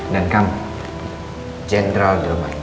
dan kamu sebagai jendral harus berbakat dulu ya